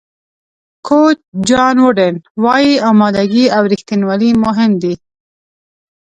کوچ جان ووډن وایي آمادګي او رښتینولي مهم دي.